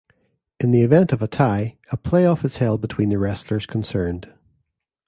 In the event of a tie a play-off is held between the wrestlers concerned.